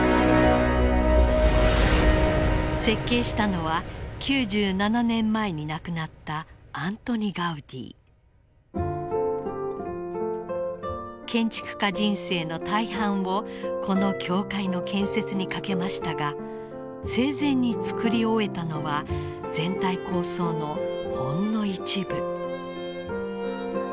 設計したのは９７年前に亡くなった建築家人生の大半をこの教会の建設に懸けましたが生前に造り終えたのは全体構想のほんの一部。